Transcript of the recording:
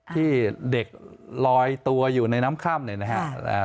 ที่เด็กลอยตัวอยู่ในน้ำค่ำเนี่ยนะครับ